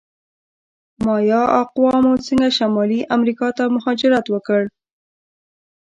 د مایا اقوامو څنګه شمالي امریکا ته مهاجرت وکړ؟